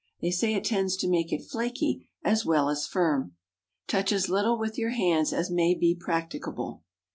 They say it tends to make it flaky as well as firm. Touch as little with your hands as may be practicable.